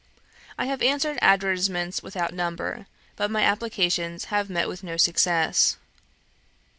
I have answered advertisements without number, but my applications have met with no success.